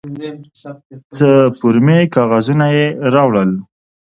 څه فورمې کاغذونه یې راوړل.